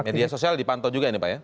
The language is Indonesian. media sosial dipantau juga ini pak ya